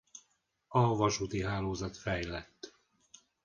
A vasúti hálózat fejlett.